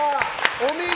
お見事！